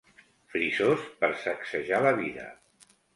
Frisós per sacsejar la vida.